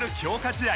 試合